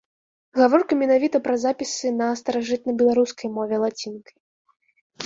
Гаворка менавіта пра запісы на старажытнабеларускай мове лацінкай.